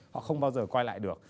họ không bao giờ quay lại được